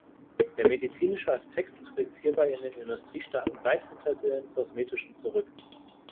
Der medizinische Aspekt tritt hierbei in den Industriestaaten weit hinter den kosmetischen zurück.